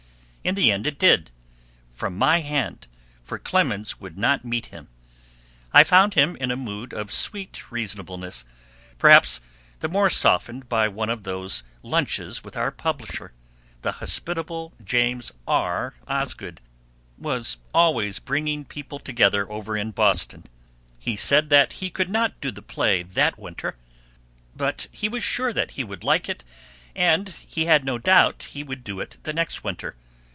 In the end it did, from my hand, for Clemens would not meet him. I found him in a mood of sweet reasonableness, perhaps the more softened by one of those lunches which our publisher, the hospitable James R. Osgood, was always bringing people together over in Boston. He said that he could not do the play that winter, but he was sure that he should like it, and he had no doubt he would do it the next winter.